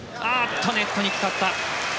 ネットにかかった。